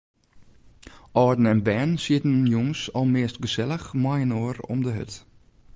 Alden en bern sieten jûns almeast gesellich mei-inoar om de hurd.